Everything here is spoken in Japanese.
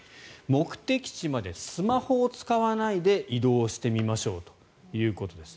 目的地までスマホを使わないで移動してみましょうということです。